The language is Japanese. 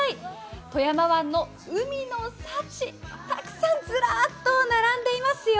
富山湾の海の幸、たくさん、ずらーっと並んでいますよ。